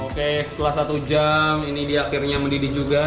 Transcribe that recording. oke setelah satu jam ini dia akhirnya mendidih juga